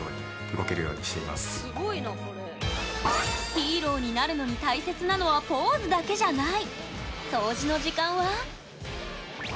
ヒーローになるのに大切なのはポーズだけじゃない。